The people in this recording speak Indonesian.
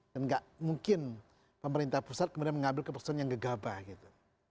dan gak mungkin pemerintah pusat kemudian mengambil keputusan yang gegabah gitu